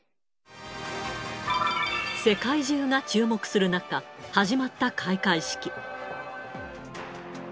世界中が注目する中、始まった開会式。